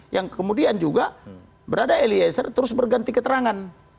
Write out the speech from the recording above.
yang kemudian juga berada eliezer terus berganti keterangan